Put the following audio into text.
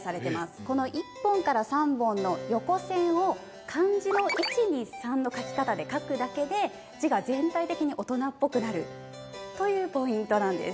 この１本から３本の横線を漢字の一二三の書き方で書くだけで字が全体的に大人っぽくなるというポイントなんです。